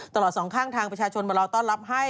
สองข้างทางประชาชนมารอต้อนรับให้